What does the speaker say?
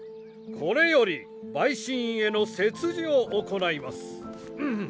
これより陪審員への説示を行います。